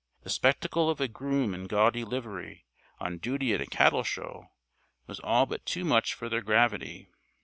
The spectacle of a groom in gaudy livery, on duty at a cattle show, was all but too much for their gravity.